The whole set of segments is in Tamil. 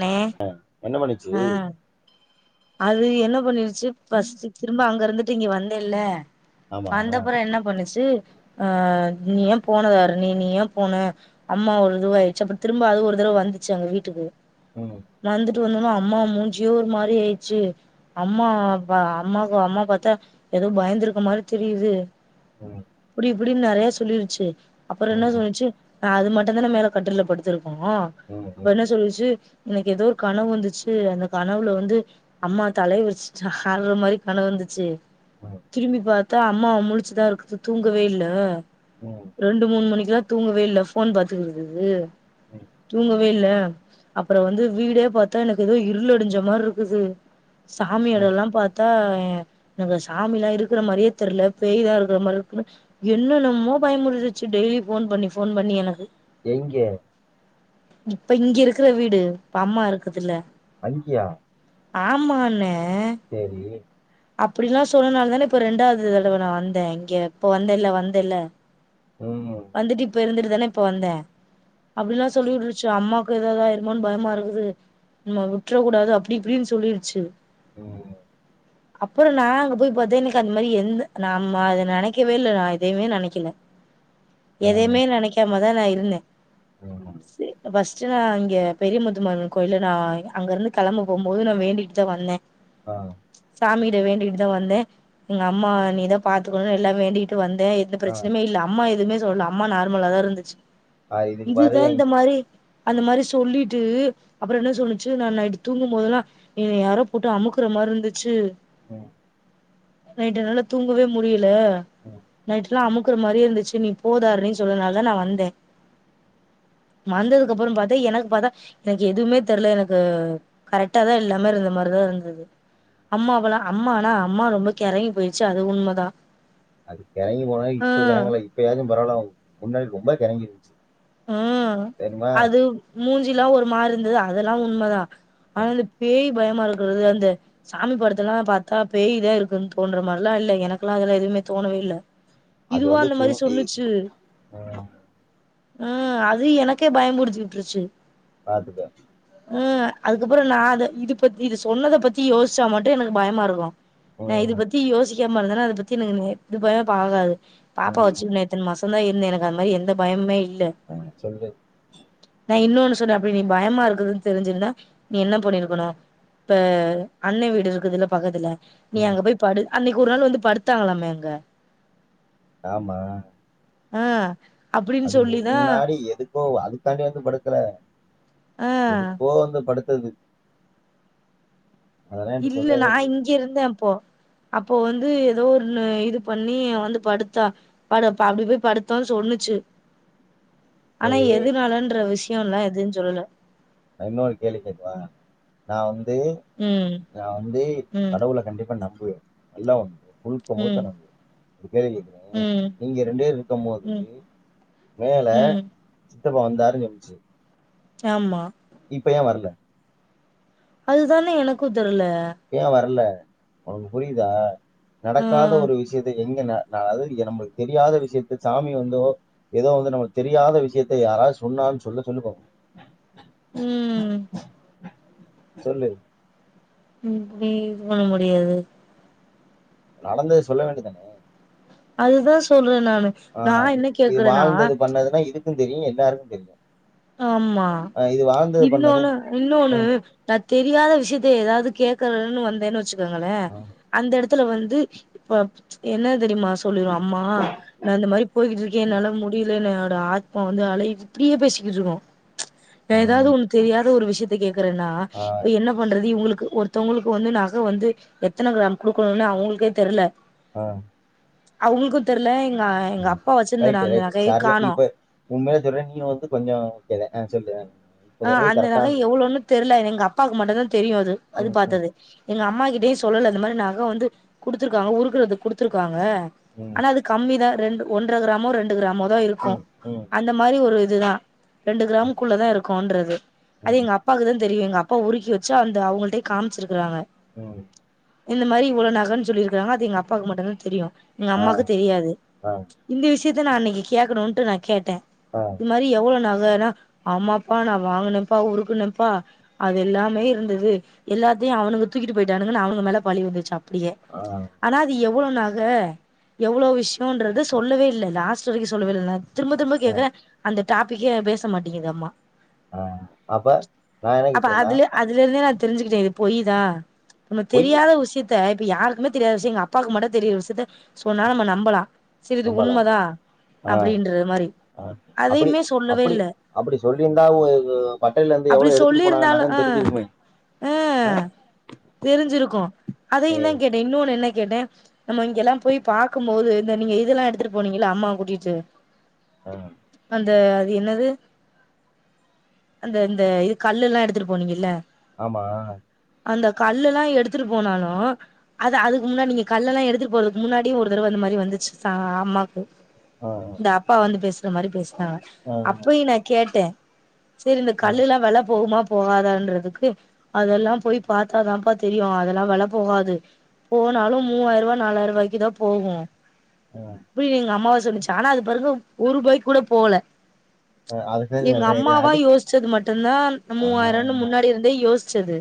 ம்ம்ம் என்ன பண்ணிச்சு அது என்ன பண்ணிருச்சு பஸ்ட் திரும்ப அங்க இருந்துட்டு இங்க வந்தேல்லே ஆமா வந்தப்புறம் என்ன பண்ணுச்சு ஆ நீ ஏன் போனதாரு நீ நீ ஏன் போனேஅம்மா ஒரு தடவ ஆயிடுச்சு அப்படி திரும்ப அது ஒரு தடவை வந்துச்சு அங்க வீட்டுக்கு உஹும் விட்டு வந்தோம்னா அம்மா மூஞ்சியோ ஒரு மாரி ஆயிடுச்சு அம்மா அம்மாக்கு அம்மா பாத்தா ஏதோ பயந்திருக்க மாரி தெரியுது உஹும் அப்படின்னு நெறைய சொல்லிருச்சு அப்புறம் என்ன ம், சொல்லுச்சு ஆ அது மட்டு்ந் தான மேல கட்டில்ல படுத்திருக்கும் ஆ அப்ப ம், என்ன சொல்லுச்சு இன்னிக்கி எதோ கனவு வந்துச்சு அந்த கனவுல வந்து அம்மா தலை விருச்சிட்டு ஆட்ற மாரி கனவு வந்துச்சு ம், ம், திரும்பி பா த்தா அம்மா முழிச்சுதா இருக்குது தூங்கவேல்ல ரெண்டு மூன் மணிக்குலாத் தூங்கவேல்ல ஃபோன் பாத்துக்குதுது ம், தூங்க கோயில்ல அப்ற வந்து வீடேப் பாத்தா எனக்கு எதோ இருளடிஞ்ச மார்ருக்குது சாமி ம். எடலா பாத்தா ஏங்க அங்க சாமிலா இருக்கிற மாரியே தெர்ல பேய்தா இருக்கிற மார்ருக்குனு என்னெனமோ பய முடிதுச்சு டெய்லி ஃபோன் பண்ணி ஃபோன் பண்ணி எனக்கு எங்கே இப்ப இங்க இருக்கிற வீடு இப்ப அம்மா இருக் பக்கத்துல அங்கியா ஆமான்னே சேரி அப்டிலா சொன்னனாலதானே இப்ப ரெண்டாவது தடவ நா வந்தே இங்க இப்போ வந்தேல்ல வந்தேல்ல ம், வந்துட்டு இப்ப இருந்துரு தான இப்ப வந்தே அப்டிலா சொல்லிவுட்ருச்சு அம்மாக்கு ஏதாது ஆய்ருமோன் பயமா இருக்குது நம்ம விட்ற கூடாது அப்டி இப்டின் சொல்லிருச்சு ம் அப்றோ நா அங்க போய் பாத்தே எனக்கு அந்த மாரி எந்த நம்ம அத நெனைக்கவே இல்ல நா எதையிமே நெனைக்கல ஆ, எதையுமே நெனைக்காமதா நா இப் இருந்த ம், சே ஃபஸ் அக்சுவலா இங்க பெரியமுத்து மாரியம்மன் கோயில்ல நா அங்கருந்து கெளம்பபோம் போது நா வேண்டிட்தா வந்தே ஆ, சாமிகிட்ட வேண்டிட்டு தா வந்தே எங்க அம்மா நீதா பாத்துக்கணு எல்லா வேண்டிட்டு வந் டேய் எந்த ஆ. பிரச்சனியுமே இல்ல அம்மா எதுமே சொல் அம்மா நார்மலாதா இருந்துச்சு ஆ, இதுக்கு பாரு இதுதா இந்த அங்க- மாரி அந்த மாரி சொல்லிட்டு அப்பறோ என்ன சொன்னுச்சு நா நைட்டு தூங்கும்போதெல்லா என்ன யாரோ போட்டு அமுக்குற மாரி இருந்து ச்சு ம் நைட் என்னால தூங்கவே முடி ல ம். நைட்ல்லா அமு நிக்குற மாரியே இருந்துச்சு நீ போ தாரணி சொன்னனால தா நா வந்தே வந்ததுக்கு அப்றோ பாத்தா எனக்கு பாத்தா எனக்கு எதுவுமே தெர்ல எனக்கு கரெக்டா தா எல்லாமே இருந்த மாரிதா இருந்தது அம்மாவலா அம்மா ஆனா அம்மா ரொம்ப கெறங்கி போயிடுச்சு அது உண்மதா அது கெறங்கி போன ஆ இப்ப கெறங்கல இப்ப யாச்சு பரவால முன்னாடி ரொம்ப கெறங்கிரு [inaudible] ஊம் அது மூஞ்சில்லா ஒரு மாரி இருந்தது அதெல்லா உண்மதா ம். ஆனாலு பேய் பயமா இருக்குறது அந்த சாமி படத்தெல்லா பாத்தா பேய்தா இருக்குனு தோன்ற மார்லா இல்ல எனக்கெல்லா அதெல்லா எதுவுமே தோணவே இல்ல அது இதுவா வந்து அந்த மாரி சும் இ சொல்லுச்சு உம் அது எனக்கே பயம்புடிச்சு விட்ருச்சு பாத்துக்க உம் அதுக்கப்புறம் நா அத இது பத்தி இது சொன்னத பத்தி யோசிச்சா மட்டு எனக்கு பயமா இருக்கு நா இத ம், பத்தி யோசி முக்கியமா இருந்தனா அத பத்தி [unintelligible] துவே பாகாது பாப்பா ம், வெச்சு நேத்து மசந்த இர் ன்னு எனக் அந்த மாரி எந்த பயமே இ ஆஹ் சொல்லு நா இன்னொன்னு சொன்ன அப்ப நீ பயமா இருக்குதுன் தெரிஞ்சிருந்தா நீ என்ன பண்ணிருக்கணு இப்ப அண்ண வீடு இருக்குதுல்ல பக்கத்துல நீ ம், அங்க போய் படு அன்னிக் ஒரு நாள் வந்து படுத்தாங்ளாமே அங்க ஆமா ஹா அப்டி அது முன்னாடி எதுக்கோ அதுக்காண்டி வந்து படுக்கல ஆ எதுக்கோ வந்து படுத்தது அதெல்லாம் என்கிட்ட இல்ல சொல்லவே நா இல்லையே இங்கிருந்த அப்போ அப்போ வந்து எதோ ஒண்னு இது பண்ணி வந்து படுத்தா பட அப்டிபோய் படுத்தோனு சொன்னுச்சு ஆனா சரி எதுனாலன்ற விஷ் யோல்லா எதுன் சொல்லல நா இன்னொரு கேள்வி கேக்கவா நா வந் து ம் நா வந்து ம் கடவுள கண்டிப்பா நம் து எல்லா ஒன்னு புல் போமோ ம் தரம்பு அப்டி கேள்வி கேக்றே ம் நீங்க ரெண்டேர் இருக்கும்போது ம் மேல ம் சித்தப்பு வந்தாருனு எப்டி சொ ஆம்மா இப்ப ஏ வர்ல அதுதானே எனக்கு தெர்ல ஏ வர்ல உனக்கு புரியுதா ஆ நடக்காத ஒரு விஷயத்தை எங்க நா அதாது இங்க நம்மளுக்கு தெரியாத விஷயத்து சாமி வந்தோ ஏதோ வந்து நம்மளுக்கு தெரியாத விஷயத்த யாராவது சொன்னான் சொல்ல சொல்லு பாப்போ ம் சொல்லு இப்டி போட முடியாது நடந்தது சொல்ல வேண்டியதானே அதுதா சொல்ற நா ஆ என்ன இது கேக்குறேன்னா வாழ்ந்தது பண்ணதுனா இது க்கும் தெரியு எல்லாருக்கு தெரியு ஆமா பண்ணது இன்னொனு இன்னொனு நா தெரியாத விஷயத்த ஏதாது கேக்கனுனு வந்தேன்னு வச்சு கங்கள அந்த எடத் துல வந்து இப்பப் என்னத் தெரிமா சொல்லிரோ அம்மா நா இந்த மாரி போய்கிட்ருக்கே என்னால முடில என்னோட ஆ பா வந்து அலையு இப்டியே பேசி இட்ருகு நா ஏதாது ஒண்ணு தெரியாத ஒரு விஷயத் துகே குறனா இப்ப என்ன பண்றது இவுங்களுக் கு ஒருத்தவங்களுக்கு வந்து நக வந்து எத்தன க்ரேம் குடுக்கணுனு அவங்களுக்கே தெர்ல ஆ அவங்களுக்கு தெர்ல எங் அ எங்க அப்பா வச்சிந்த ந அந்த நகைய காணு உண்மைல சொல்ற நீ வந்து கொஞ்சோ கேத ஆ சொல்லு ஆ இப்ப ஆ சொல்றது அந்த நக கரெக்டான எவ்ளோன்னு தெர்ல ங் அப்பாக்கு மட்டு தா த் தெரியு அது அது ம் ம் பாத்தது எங்க அம்மா கிட்டயு சொல்லல அந்த மாரி நக வந்து குடுத்துருக்காங்க உருக்குறதுக் குடுத்துருக்காங்க ம் ஆனா அது கம்மி தா ரெண்டு ஒன்ற க்ராமோ ரெண்டு க்ராமோ தா இருக்கு ம் ம் அந்த மாரி ஒரு துதா ரெண்டு ம், க்ராமுக்குள்ள தா இருக் கொன்றது அது ம் எங்க அப்பாக்கு தான் தெரியு எங்கப்பா உருக்கி வச்சா அந்த அவங்கள்ட்டே காமிச்சிருக்கறாங்க ம் இந்த மாரி இவ்ளவ் நகன்னு சொல்லிருக்காங்க அது எங் அப்பாக்கு மட்டுதா தெரியு ஆ எங்கம்மாக்கு தெரியாது ஆ இந்த விஷ் இது நா‌ அன்னைக்கு கேக்கணுன்ட்டு நா கேட்டே ஆ இது மாரி எவ்ளோ நாள் வேணு ஆமாப் ப்பா நா வாங்குனேப்பா உருக்குனப்பா அது எல்லாமே இருந்தது எல்லாத்தையு அவனுக தூக்கிட்டு போயிட்டானுக அவனுக மேல பழி வந்துச்சப் படியே ஆ ஆனா அது எவ் எவ்ளோ நக எவ்ளோ விஷ்யன்றது சொல்லவே இல்ல லாஸ்ட் வரிக்கு சொல்லவே இல்லனே திரும்ப திரும்ப ஆ கேக்கறே அந்த டாபிக்கே பேச மாட்டிங்குது அம்மா ஆஹ் அப்ப நா என்ன கேக்குறேன்னா தெரிஞ்சுக்கிட்டே இது பொய்தா நம்ம பொய் தெரியாத விஷித் த்த இப்ப யாருக்குமே தெரியாத விஷய எங்க அப்பாவுக்கு மட்டு தெரியிற விஷயத்த சொன்னா நம்ம நம்பலா செரி இது நம்பலாம் உண்மத ஆ அப்படின்ற மாரி ஆ அப்படி அதையுமே சொல்லவே அப்படி இல்ல அப்படி சொல்லியிருந்தா பட்டையில இருந்து அப்டி எவ்வளவு எடுத்துட்டு சொல்லியிருந்தாலு அ போனாங்கன்னாக்கன்னு தெரிஞ்சிருக்குமே அ ஆ? தெரிஞ்சிருக்கு அதையு தா ஏய் கேட்டே இன்னோனு என்ன கேட்டே நம்ம இங்கெல்லா போய் பாக்கு போது இந்த நீங்க இதெல்லா எடுத்துட்டு போனீங்கள அம்மாவ கூட்டிட்டு ஆ, அந்த அது என்னது அந்த இந்த இது கல்லு எல்லா எடுத்துட்டு போனீங்கல்ல ஆமா அந்த கல்ல எல்லா எடுத்துட்டு போனாலு அது அதுக்கு முன்னாடி நீங்க கல்லல்லா எடுத்துட்டு போறதுக்கு முன்னாடி ஒரு தடவ இந்த மாரி வந்துச்சு சா அம்மாக்கு ஆ இந்த அப்பா வந்து பேசு இந்த மாரி பேசு ஆஹ் ஆ, ஆ, அப்பயி நா கேட்டே சரி இந்த ஆ, கல்லு எல்லா வெல போவுமா போகாதான்றதுக்கு அதெல்லா போயி பாத்தாதான்ப்பா தெரியு அதெல்லா வெல போகாது போனாலு மூவாயி ரூவா நாலாயி ரூவாய்க்கு தா போகு ஆ, [unintelligible] எங் அம்மாவாஸ் சொன்னிச்சு ஆனா அது பெறகு ஒரூபாய்க்கூட போல ஆ அது எங்க அம்மாவா யோசிச்சது மட்டுதா ஆ, மூவாயிரன்னு முன்னாடி இருந்தே யோஸ் ச்சிது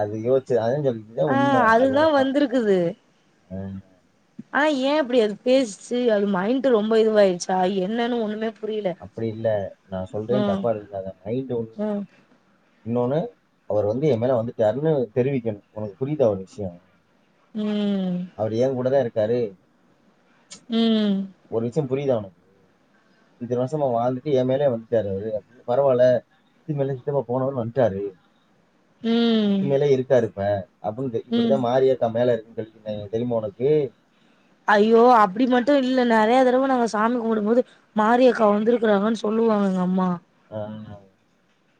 அது யோசிச்சு [unintelligible] சொல்லிட்டுதா உண்ம அதோட அதுதா அம்மா உம் ஆன ஏன் அப்படி அது பேசிச்சு அது மைண்ட் ரொம்ப இதுவாயிடுச்சா என்னன்னு ஒண்ணுமே புரியல அப்படி இல்ல நா சொல்றனு ம் தப்பா எடுத்துகாத மைண்ட் ஒன் ம் இன்னொன்னு அவர் வந்து என் மேல வந்துட்டுரான்னு தெரிவிக்கணும் உனக்கு புரியுதா ஒரு விஷயம் ம் சரி ம் ஒரு நிமிஷோ புரியுதா உனக் இத்தன வருஷமா வாழ்ந்துட்டு ஏ மேலே வந்துட்டாரு அவரு பரவால்ல சித்தி மேல சித்தப்பா போனவரு வன்டாரு சித்தி ம் மேலே இருக்காரு இப்ப அப்படின்னு ம் இப்படித்தான் மாரியக்கா மேல இருக் குனு சொன்னாங்க தெரியுமா உனக்கு ஐயோ அப்படி மட்டும் இல்ல நெறய தடவ நாங்க சாமி கும்பிடும்போது மாரி அக்கா வந்திருக்கறாங்கனு சொல்லுவாங்க எங்க அம்மா அ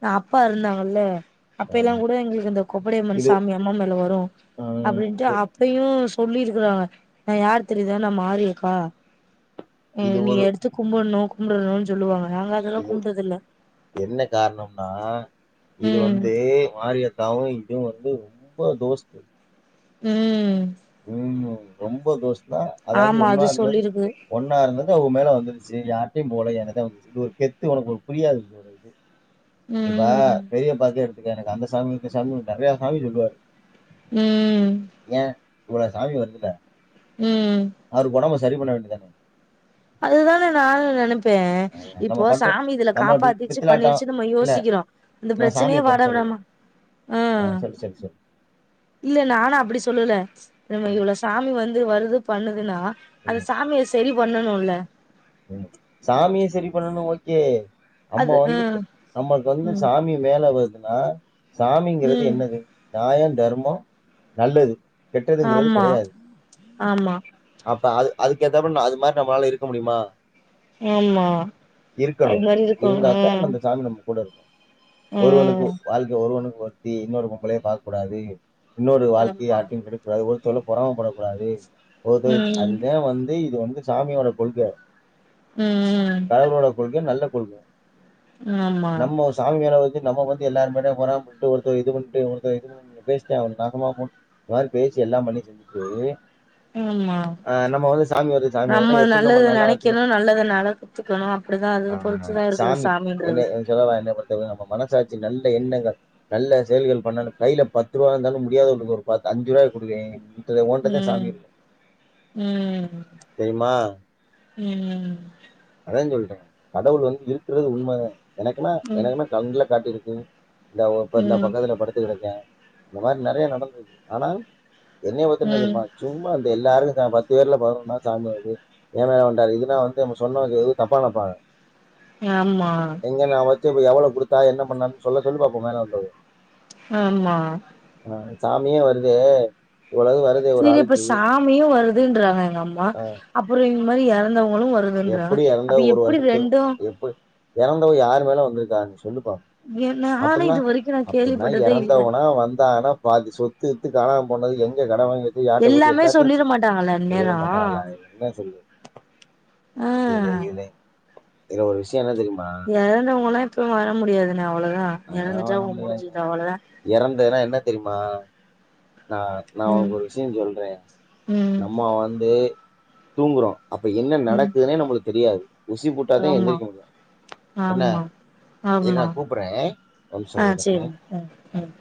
நான் அப்பா இறந்தாங்கல்ல அப்ப ஆ, எல்லாம் கூட எங்களுக்கு இந்த கொப்படி அம்மன் இது சாமி அம்மா மேல வரும் ம், அப்படின்ட்டு இது அப்பயும் சொல்லிருக்கறாங்க நான் யார் தெரியுதா நான் மாரி யக்கா இது நீ ஒரு எடுத்து கும்பட னும் நோக்க ம்னு சொல்றதனால சொல்லுவாங்க நாங்க அதெல்லா கும்பிட்டது இல்ல என்ன காரணம் நா இது ம் வந்து மாரியத்தாவும் இதுவும் வந்து ரொம்ப தோஸ்த்து ம் ம் ரொம்ப தோஷ்த் நான் அதாவது ஆமா ஒன்னா அது இருந்து சொல்லிருக்கு ஒன்னா இருந்தது அவுங்க மேல வந்துருச்சு யாரிட்டயும் போல இது ஒரு கெத்து உனக்கு புரியாது ஒரு இது இப்பா ம் பெரிய பேக்க எ எனக்கு அந்த சாமி இந்த சாமினு நறையா சாமி சொல்லுவாரு ம் இவ்ள சாமி வருதுல ம் ஆறு கொடோ வெச் சரி பண்ண வேண்டிதானே அதுதானே நானோ நெனைச் ப்பேன் நம்ம இப்போ பண்ற சாமி இதுல நம்ம காப்பாத்திச்சு பித்திலாட்டம் பண்ணிருச்சுனு நாம இல்ல யோசிக்கிற அந்த நான் பிரச்சனையே சாமியை குறை வர விடாமா சொல்லுவேன் ஆ சொல்லு சொல்லு சொல்லு இல்ல நானோ அப்டி சொல்லல நம இவ்வளவு சாமி வந்து வருது பண்ணுதுன்னா அந்த ம். சாமிய சரி பண்ணனோ பண்ணோல சாமிய சரி பண்ணனும் ஓகே நம்ம அது ஆ வந்துட்டு நமக்கு வந்து ம் சாமி மேல வருது துன சாமிங்கிறது ம் என்னது நாயன் தர்மம் நல்லது கெட்டதுங்கிறது ஆமா கெடையாது ஆமா அப்ப அது அதுக்கு ஏத்தபால அது மாரி நம்மளால இருக்க முடியுமா ஆமா அது இருக்கணும் மாரி இருக்கும் இருந்தாத்தான் ம் அந்த சாமி [inaudible] ஒருவனுக்கு வால்க்க ஒருவனுக்கு ஒருத்தி இன்னொரு பொம்பளைய பாக்க கூடாது இன்னொரு வால்க்கைய ஆமா யார்ட்டின் கெடுக்கக்கூடாது ஒழு இத்தோட பொறாம்ம படக்கூடாது போது ம் அதுதான் வந்து இது வந்து இது சாமியோட கொள்க ம் ம் கடவுளோட கொள்க நல்ல கொள்க ஆமா நம்ம ஒரு சாமிமேல வச் நம்ம வந்து எல்லாரு முன்னாடியும் பொறாமபட்டு ஒருத்த இது பண்ணிட்டு ஒருத்த இது பேசிட்டே அவங்க நாசமா போ இந்த மாரி பேசி எல்லாம் பண்ணி செஞ்சுட்டு ஆமா ஆ நம்ம வந்து சாமி வருது சாமி வருதுன்னா எப்டி நம்மள நல்லா வச் கிணும் நல்லத நடந்துக்கணும் அப்டிதான் அந்த பொருத்துதான் இருக்குது சாமின்றது என்னய பொருத்தவரயும் நம்ம மனசாட்சி நல்ல எண்ணங்கள் நல்ல செயல்கள் பண்ணாலும் கைல பத்து ரூப இருந்தாலும் முடியாதவங்களுக்கு ஒரு பத் அஞ்சு ரூபா கொடு குடுத்துடு ஓன்ட்டா ம் சாமி இருக்கும் ம் தெரியுமா ம் அதான் சொல்றன் கடவுள் வந்து இருக்கிறது உண்மதான் எனக்குன்ன ம் எனக்குன்ன கண்ல காட்டிருக் கு தா ஓ பர் தான் ம் பக்கத்துல படுத்து கடக்கேன் இந்த மாரி நெறயா நடந்தது ஆனா என்ன பொருத்த வரைக்கும் என்ன ம் தெரியுமா சும்மா அந்த எல்லாரும் தான் பத்து பேர்ல பதினொன்னா சாமி வருது ஏன் மேல வந் டாரு இதுனா வந்து நம்ம சொன்னவங்க எது தப்பா நெனப்பாங்க ஆமா சரி இப்போ எவ்ளோ குடுத்தா என்ன பண்ணானு சொல்ல சொல்லு பாப்போம் மேல வந்தது ஆமா சாமியே வருதே இவ்வளவு வருதே ஒரு சரி இப்ப ஆளுக்கு. சாமியு வருதுன்றாங்க எங்க அம்மா அ அப்றோ அது மாரி எறந்தவங் களு வருதுன்றாங்க எப்படி அப்ப எறந்தா எப்படி வருஷம் தரும். ரெண்டு எப்படி எறந்தவ யாரு மேல வந்துருக்கா சொல்லு பாப் எ நானு அப்பனா இது வரைக்கு நா அப்பனா கேள்விப்பட்டதே இல்ல எறந்தவனா வந்தானா பாதி சொத்து து கானாம் போனது எங்க கட வாங்கி வச்ச யார்ட்ட குடுத்த எல்லாமே எல்லாத்தையு வச்சி சொல்லிட மாட்டாங்கல்ல சொல்லிட அந்நேரோ மாட்டாங்களா என்ன சொல்லி இலை ஆ இலை இல ஒரு விஷயோ என்ன தெரிமா இப்போ வர முடியாதுன அவ்ளோதா அதுலா எறந்துட்டா வர உ முடியாதுங்க முடிஞ்சுது அவ்ளோதா எறந்ததுனா என்ன தெரிமா நா நா ம் ஒனக்கு ஒரு விஷயோ சொல்றே ம் நம்ம வந்து தூங்குறோ அப்ப என்ன ம் நடக்குதுனே நம்ளுக் தெரியாது ஊசிபுட்டாதா ஆமா எந்ரிக்க முடியு என்ன ஆமா இரு ஆமா நா கூப்புறே ஒரு மிஷோ ஆ கூப்புறே சேரிங்க ம் ஒரு ம்